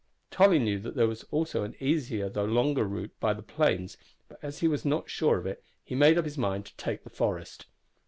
Tolly knew that there was also an easier though longer route by the plains, but as he was not sure of it he made up his mind to take to the forest.